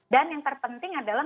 dan yang terpenting adalah